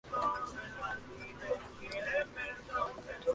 En este álbum se presenta el nuevo logo de la banda